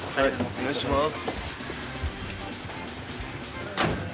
お願いします。